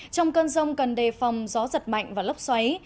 trong cơn rông cần đề phòng gió giật mạnh và lốc xoáy